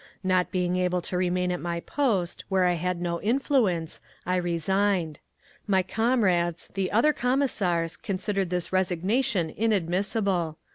Not being able to remain at my post, where I had no influence, I resigned. My comrades, the other Commissars, considered this resignation inadmissible.